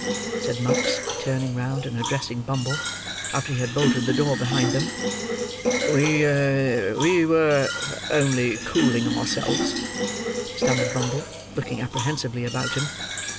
said Monks, turning round, and addressing Bumble, after he had bolted the door behind them. "We—we were only cooling ourselves," stammered Bumble, looking apprehensively about him.